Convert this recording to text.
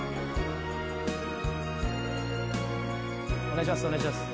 お願いします